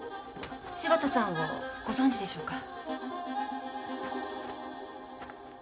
柴田さんをご存じでしょうか？